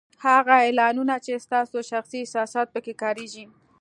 هغه اعلانونه چې ستاسو شخصي احساسات په کې کارېږي